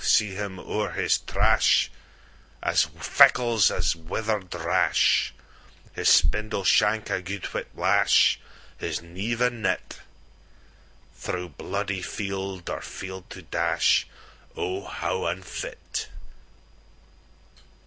see him owre his trash, As feckles as wither'd rash, His spindle shank, a guid whip lash; His nieve a nit; Thro' blody flood or field to dash,O how unfit!